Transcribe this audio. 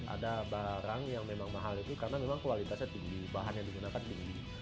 ada barang yang memang mahal itu karena memang kualitasnya tinggi bahan yang digunakan tinggi